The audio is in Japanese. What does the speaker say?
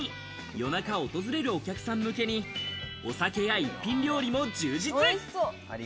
夜中訪れるお客さん向けに、お酒や一品料理も充実。